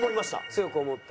強く思った？